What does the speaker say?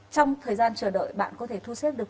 trong thời gian chờ đợi bạn có thể thu xếp được